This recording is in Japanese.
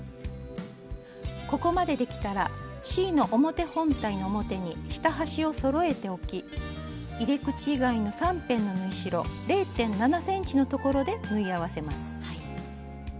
ここまでできたらＣの表本体の表に下端をそろえて置き入れ口以外の３辺の縫い代０．７ｃｍのところで縫い合わせます。